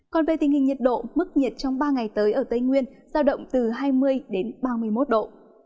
còn về tình hình nhiệt độ mức nhiệt trong ba ngày tới ở tây nguyên giao động từ hai mươi đến ba mươi một độ